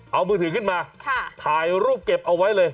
เอามือถือขึ้นมาถ่ายรูปเก็บเอาไว้เลย